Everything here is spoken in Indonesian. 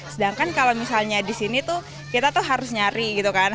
sedangkan kalau misalnya di sini tuh kita tuh harus nyari gitu kan